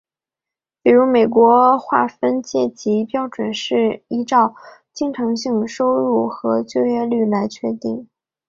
比如美国划分阶级标准是依照经常性收入和就业率来确定。